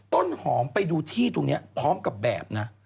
ต้นหอมไปดูที่ตรงนี้พร้อมกับแบบนะ